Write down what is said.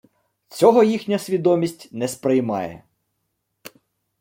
Цього їхня свідомість не сприймає